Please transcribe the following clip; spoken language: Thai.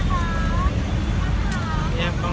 สวัสดีค่ะ